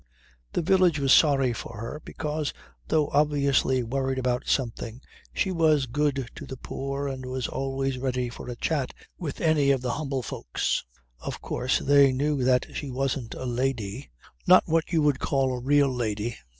The village was sorry for her because, though obviously worried about something, she was good to the poor and was always ready for a chat with any of the humble folks. Of course they knew that she wasn't a lady not what you would call a real lady.